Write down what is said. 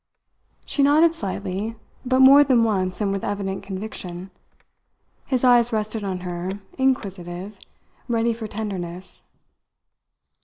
She nodded slightly, but more than once and with evident conviction. His eyes rested on her, inquisitive, ready for tenderness.